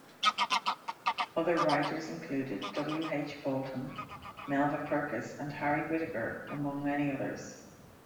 Other writers included W. H. Boulton, Melva Purkis, and Harry Whittaker among many others.